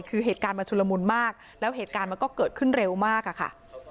คือเหตุการณ์มันชุลมุนมากแล้วเหตุการณ์มันก็เกิดขึ้นเร็วมากอะค่ะ